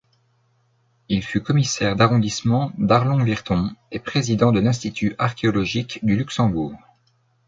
Il fut commissaire d’arrondissement d’Arlon-Virton et président de l’Institut archéologique du Luxembourg.